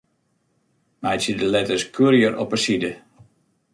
Meitsje de letters Courier op 'e side.